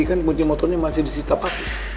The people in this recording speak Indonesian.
kan kunci motornya masih di sita papi